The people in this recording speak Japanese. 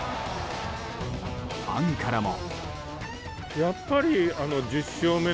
ファンからも。